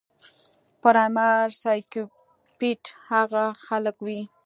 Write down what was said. پرايمري سايکوپېت هغه خلک وي